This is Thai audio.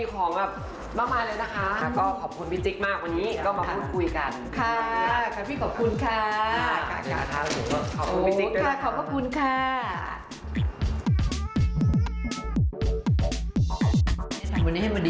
ครับครับพี่กรบคุณธรรมดาด